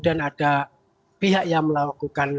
ada pihak yang melakukan